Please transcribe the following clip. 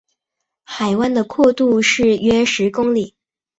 海湾的阔度是约十公里。